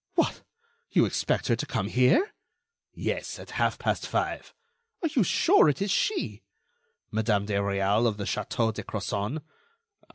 "What! You expect her to come here?" "Yes, at half past five." "Are you sure it is she?" "Madame de Réal of the Château de Crozon?